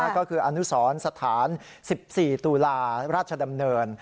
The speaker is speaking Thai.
ก็คืออนุสรสถาน๑๔ตุลาราชดำเนิน